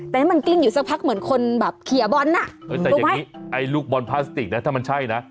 แต่นี่มันกลิ้งอยู่สักพักเหมือนคนแบบเขียบอลอ่ะเออแต่อย่างนี้ไอ้ลูกบอลพลาสติกนะถ้ามันใช่นะ